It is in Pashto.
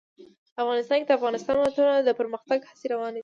افغانستان کې د د افغانستان ولايتونه د پرمختګ هڅې روانې دي.